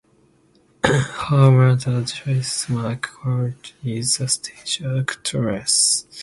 Her mother, Joyce McCord, is a stage actress.